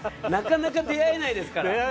なかなか出会えないですから。